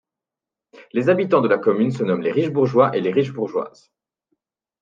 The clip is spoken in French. Les habitants de la commune se nomment les Richebourgeois et les Richebourgeoises.